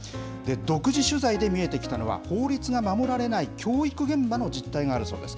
独自取材で見えてきたのは、法律が守られない教育現場の実態があるそうです。